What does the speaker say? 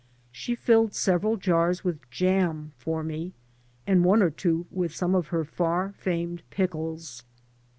She filled several jars with jam for me and one or two with some of her far famed pickles.